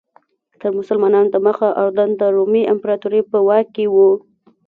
تر مسلمانانو دمخه اردن د رومي امپراتورۍ په واک کې و.